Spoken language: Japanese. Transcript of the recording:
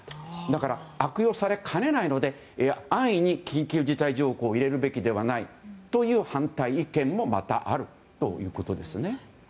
だから悪用されかねないので安易に緊急事態条項を入れるわけではないという反対意見もまたあるということですね。